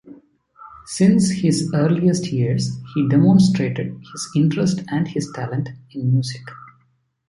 Since his earliest years, he demonstrated his interest and his talent in music.